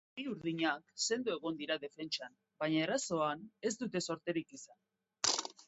Hori-urdinak sendo egon dira defentsan, baina erasoan ez dute zorterik izan.